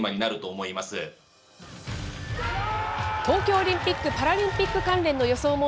東京オリンピック・パラリンピック関連の予想